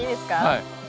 はい。